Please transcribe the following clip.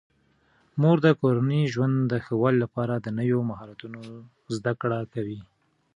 مور د کورني ژوند د ښه والي لپاره د نویو مهارتونو زده کړه کوي.